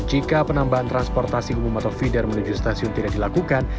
jika penambahan transportasi umum atau feeder menuju stasiun tidak dilakukan